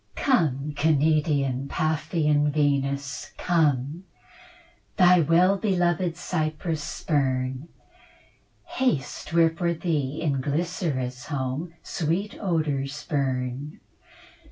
Come, Cnidian, Paphian Venus, come, Thy well beloved Cyprus spurn, Haste, where for thee in Glycera's home Sweet odours burn.